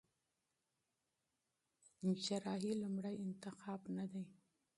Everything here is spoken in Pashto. جراحي لومړی انتخاب نه دی.